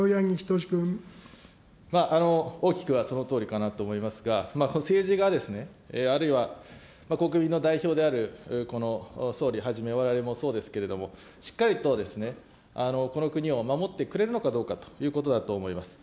大きくはそのとおりかなと思いますが、政治が、あるいは国民の代表である、この総理はじめ、われわれもそうですけれども、しっかりとこの国をまもってくれるのかどうかということだとおもいます。